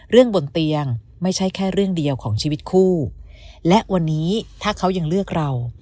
บนเตียงไม่ใช่แค่เรื่องเดียวของชีวิตคู่และวันนี้ถ้าเขายังเลือกเรา